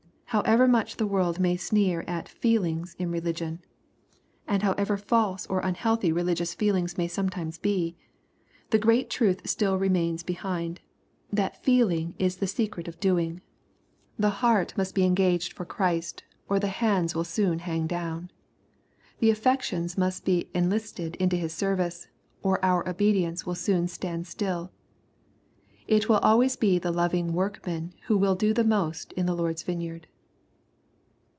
However much the world maj sneer at '^ feelings" in religion, and however false oi hUKEy CHAP. VII. 237 unhealthy religious feelings may sometimes be, the great tnith still remains behind^ that feeling is the secret of doing. The heart must be engaged for Christ, or the hands will soon hang down. The affections must be enlisted into His service, or our obedience will soon stand still. It will always be the loving workman who will do most in the Lord's vineyard.